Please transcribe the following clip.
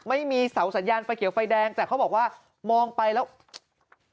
ไม่มีเสาสัญญาณไฟเขียวไฟแดงแต่เขาบอกว่ามองไปแล้ว